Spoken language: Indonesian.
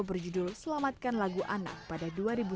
berjudul selamatkan lagu anak pada dua ribu sembilan belas